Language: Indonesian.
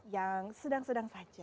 yang sedang sedang saja